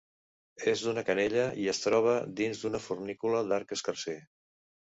És d'una canella i es troba dins d'una fornícula d'arc escarser.